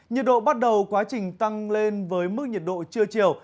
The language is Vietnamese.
nhiệt độ bắt đầu quá trình tăng lên với mức nhiệt độ trưa chiều